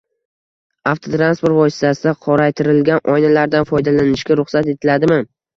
Avtotransport vositasida qoraytirilgan oynalardan foydalanishga ruxsat etiladimi?